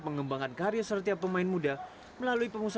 mereka akan merasa agak sulit